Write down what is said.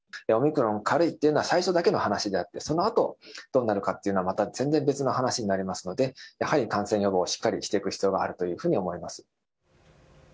オミクロン、軽いっていうのは、最初だけの話であって、そのあと、どうなるかっていうのはまた全然別の話になりますので、やはり感染予防しっかりしていく必要があるというふうに思います。